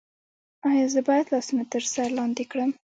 ایا زه باید لاسونه تر سر لاندې کړم؟